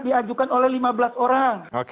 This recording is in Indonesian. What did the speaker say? diajukan oleh lima belas orang